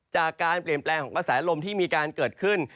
จากการเปลี่ยนแปลงของกระแสลมที่มีการเกิดขึ้น